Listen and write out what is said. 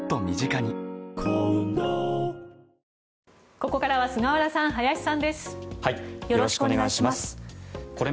ここからは菅原さん、林さんです。